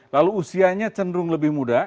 lalu usianya cenderung lebih muda